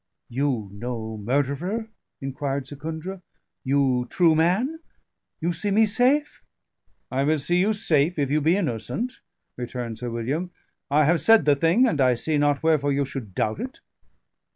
"You no murderer?" inquired Secundra. "You true man? You see me safe?" "I will see you safe, if you be innocent," returned Sir William. "I have said the thing, and I see not wherefore you should doubt it."